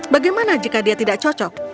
bagaimana jika dia tidak cocok